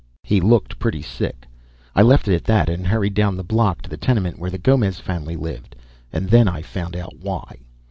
He looked pretty sick. I left it at that and hurried down the block to the tenement where the Gomez family lived, and then I found out why.